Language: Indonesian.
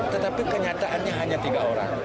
tetapi kenyataannya hanya tiga orang